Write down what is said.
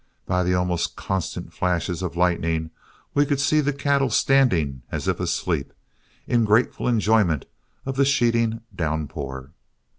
By the almost constant flashes of lightning we could see the cattle standing as if asleep, in grateful enjoyment of the sheeting downpour.